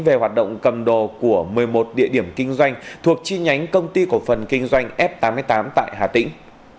về hoạt động cầm đồ của một mươi một địa điểm kinh doanh thuộc chi nhánh công ty cổ phần kinh doanh f tám mươi tám tại hà tĩnh